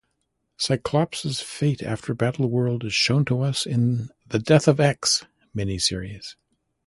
Cyclops's fate after Battleworld is shown to us in the "Death of X" miniseries.